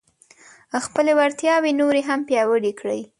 خپلې وړتیاوې نورې هم پیاوړې کړئ.